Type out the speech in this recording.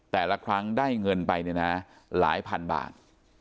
แต่ละครั้งได้เงินไปเนี่ยนะหลายพันบาท